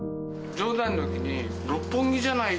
冗談抜きに、六本木じゃないの？